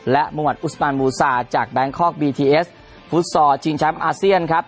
และมุมวันอุสมานบูซาจากแบงคอกบีทีเอสฟุตซอลชิงแชมป์อาเซียนครับ